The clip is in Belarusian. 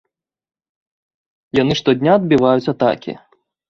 Яны штодня адбіваюць атакі.